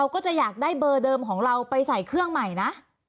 ก็จะอยากได้เบอร์เดิมของเราไปใส่เครื่องใหม่นะ